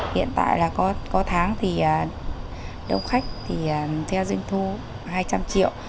hiện tại là có tháng thì đông khách thì theo doanh thu hai trăm linh triệu